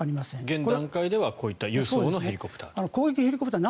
現段階ではこういった輸送のヘリコプター。